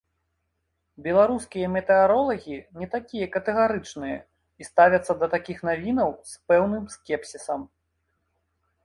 Беларускія метэаролагі не такія катэгарычныя, і ставяцца да такіх навінаў з пэўным скепсісам.